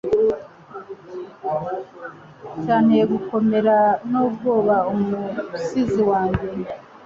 cyanteye gukomera n'ubwoba umusizi wanjye